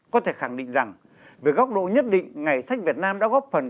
có thể khẳng định rằng về góc độ nhất định ngày sách việt nam đã góp phần